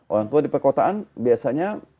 orang tua di perkotaan biasanya